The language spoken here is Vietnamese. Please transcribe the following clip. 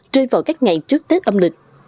trôi vào các ngày trước tết âm lịch